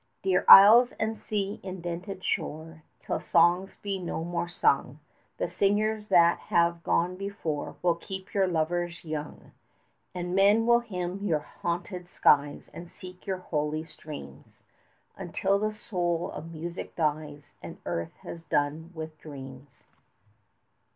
Dear isles and sea indented shore, Till songs be no more sung, The singers that have gone before 55 Will keep your lovers young: And men will hymn your haunted skies, And seek your holy streams, Until the soul of music dies, And earth has done with dreams.